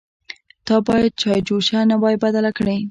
_تا بايد چايجوشه نه وای بدله کړې.